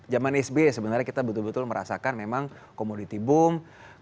zaman sbe sebenarnya kita betul betul merasakan memang komoditi boom